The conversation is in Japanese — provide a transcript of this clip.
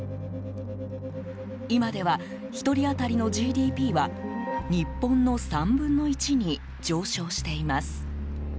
今では１人当たりのＧＤＰは日本の３分の１に上昇しています。